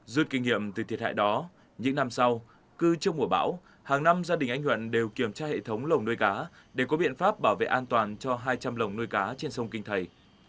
rút kinh nghiệm từ thiệt hại đó những năm sau cứ trước mùa bão hàng năm gia đình anh nhuận đều kiểm tra hệ thống lồng nuôi cá để có biện pháp bảo vệ an toàn cho hai trăm linh lồng nuôi cá trên sông kinh thầy